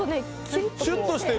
シュッとしてる。